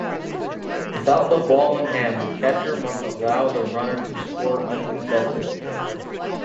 Without the ball in hand, the catcher must allow the runner to score uncontested.